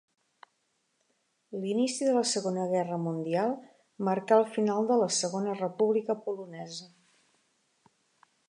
L'inici de la Segona Guerra Mundial marcà el final de la Segona República Polonesa.